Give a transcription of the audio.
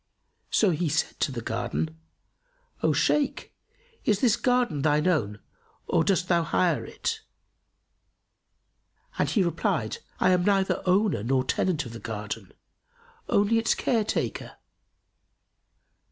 So he said to the Gardener, "O Shaykh, is this garden thine own or dost thou hire it?"; and he replied, "I am neither owner nor tenant of the garden, only its care taker."